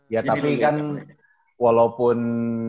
ya tapi kan walaupun